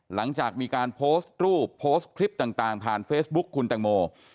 หลังจากมีการโพสต์รูปโพสต์คลิปต่างผ่านเฟซบุ๊คคุณแตงโม